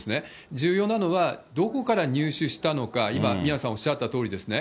重要なのは、どこから入手したのか、今、宮根さんがおっしゃったとおりですね。